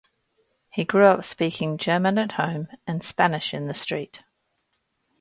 He grew up speaking German at home and Spanish in the street.